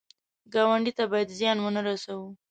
ګاونډي ته باید زیان ونه رسوو